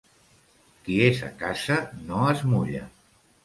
Qui és a casa no es mulla.